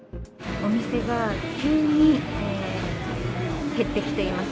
お店が急に減ってきています。